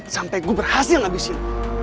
sampai gue berhasil ngabisin